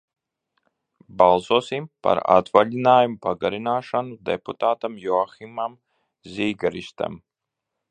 Balsosim par atvaļinājuma pagarināšanu deputātam Joahimam Zīgeristam.